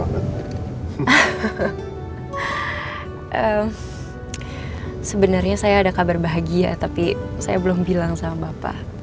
sebenarnya saya ada kabar bahagia tapi saya belum bilang sama bapak